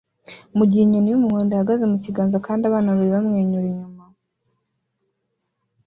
mugihe inyoni yumuhondo ihagaze mukiganza kandi abana babiri bamwenyura inyuma